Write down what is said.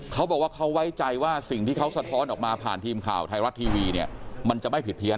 เขาบอกว่าเขาไว้ใจว่าสิ่งที่เขาสะท้อนออกมาผ่านทีมข่าวไทยรัฐทีวีเนี่ยมันจะไม่ผิดเพี้ยน